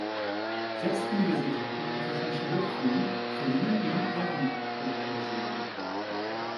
Sechs Universitäten und Technische Hochschulen verliehen ihm Ehrendoktorwürden.